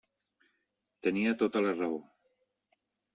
Tenia tota la raó.